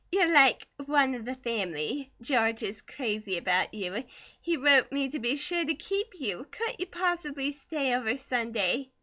"You're like one of the family, George is crazy about you. He wrote me to be sure to keep you. Couldn't you possibly stay over Sunday?"